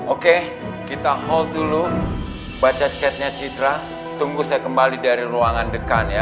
oke kita hold dulu baca chatnya citra tunggu saya kembali dari ruangan dekat ya